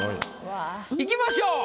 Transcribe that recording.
いきましょう。